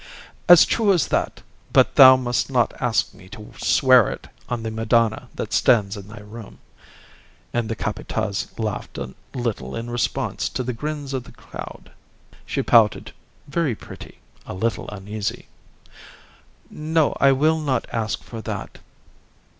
"As true as that; but thou must not ask me to swear it on the Madonna that stands in thy room." And the Capataz laughed a little in response to the grins of the crowd. She pouted very pretty a little uneasy. "No, I will not ask for that.